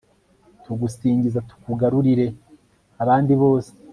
tugusingiza, tukugarurire abandi bose